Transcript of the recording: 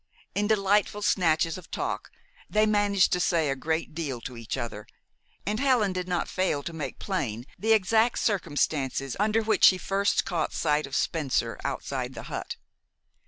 In delightful snatches of talk they managed to say a good deal to each other, and Helen did not fail to make plain the exact circumstances under which she first caught sight of Spencer outside the hut.